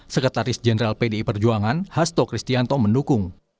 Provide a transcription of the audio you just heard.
sekretaris jenderal pdi perjuangan hasto kristianto mendukung